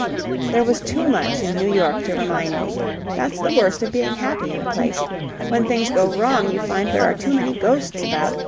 "There was too much in New York to remind me. That's the worst of being happy in a place. When things go wrong you find there are too many ghosts about.